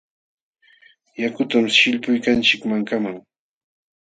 Yakutam sillpuykanchik mankaman.